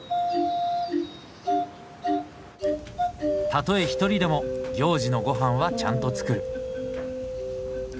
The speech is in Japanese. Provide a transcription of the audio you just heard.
たとえ一人でも行事のごはんはちゃんと作る。